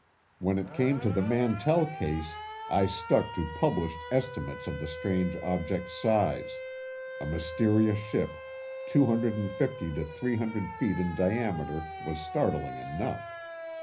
When it came to the Mantell case, I stuck to published estimates of the strange object's size; a mysterious ship 250 to 300 feet in diameter was startling enough.